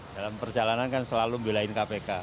dalam perjalanan kan selalu membelain kpk